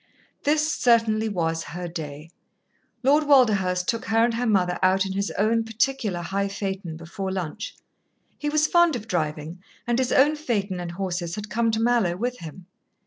This certainly was her day. Lord Walderhurst took her and her mother out in his own particular high phaeton before lunch. He was fond of driving, and his own phaeton and horses had come to Mallowe with him.